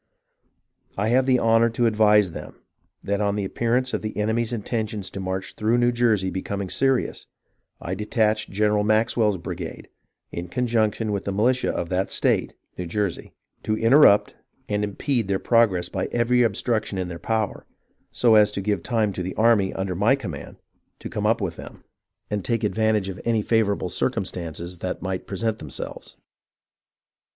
I have the honour to advise them, that on the appearance of the enemy's intentions to march through Jersey becoming serious, I had detached General Maxwell's brigade, in conjunction with the militia of that state [New Jersey] to interrupt and impede their progress by every obstruction in their power, so as to give time to the army under my command to come up with them, and take 236 HISTORY OF THE AMERICAN REVOLUTION advantage of any favourable circumstances that might present themselves.